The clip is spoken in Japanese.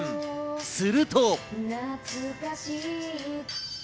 すると。